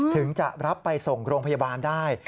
ถึงจะรับไปส่งโรงพยาบาลได้